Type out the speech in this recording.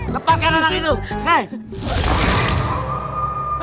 lepaskan anak ini dulu